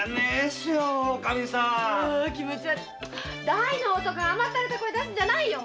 大の男が甘ったれた声出すんじゃないよ。